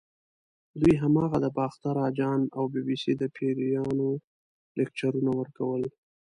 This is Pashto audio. دوی هماغه د باختر اجان او بي بي سۍ د پیریانو لیکچرونه ورکول.